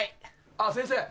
あっ先生！